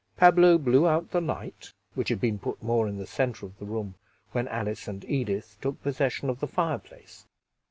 Pablo blew out the light, which had been put more in the center of the room when Alice and Edith took possession of the fireplace.